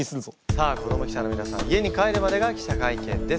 さあ子ども記者の皆さん家に帰るまでが記者会見です。